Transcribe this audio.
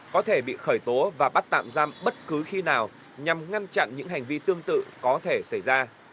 có thể bị khởi tố và bắt tạm giam bất cứ khi nào nhằm ngăn chặn những hành vi tương tự có thể xảy ra